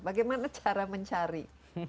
bagaimana cara mencari